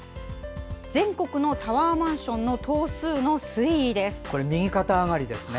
全国のタワーマンションの右肩上がりですね。